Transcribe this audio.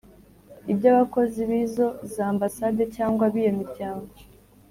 iby'abakozi b'izo za ambasade cyangwa b'iyo miryango